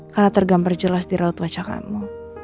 karena tergampar jelas di raut wajah kamu